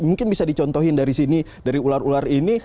mungkin bisa dicontohin dari sini dari ular ular ini